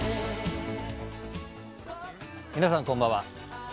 皆さんこんばんは。